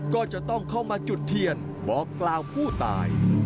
ก็จะต้องเข้ามาจุดเทียนบอกกล่าวผู้ชมของกลุ่มชาติภัณฑ์